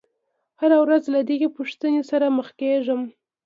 هره ورځ له دغې پوښتنې سره مخ کېږم.